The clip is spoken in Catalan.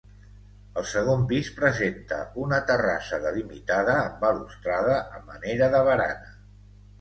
El segon pis presenta una terrassa delimitada amb balustrada a manera de barana.